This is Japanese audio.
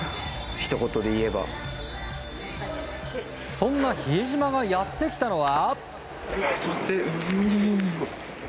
そんな比江島がやってきたのは。